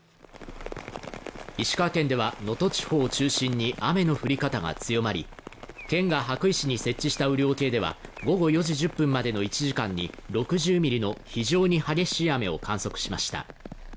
石川県では能登地方を中心に雨の降り方が強まり県が羽咋市に設置した雨量計では午後４時１０分までの１時間に６０ミリの非常に激しい雨を観測しました。